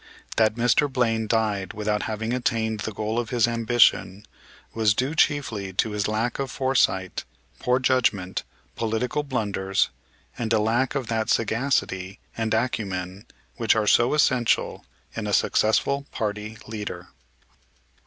That Mr. Blaine died without having attained the goal of his ambition was due chiefly to his lack of foresight, poor judgment, political blunders, and a lack of that sagacity and acumen which are so essential in a successful party leader.